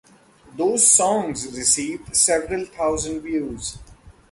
Those songs received several thousand views.